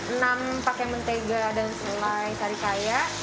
enam pakai mentega dan selai sarikaya